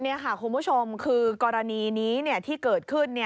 นี่ค่ะคุณผู้ชมคือกรณีนี้ที่เกิดขึ้น